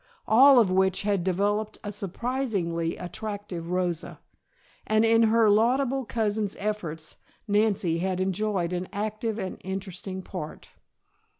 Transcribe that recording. All of which had developed a surprisingly attractive Rosa, and in her laudable cousin's efforts Nancy had enjoyed an active and interesting part.